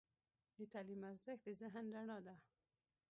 د تعلیم ارزښت د ذهن رڼا ده.